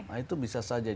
nah itu bisa saja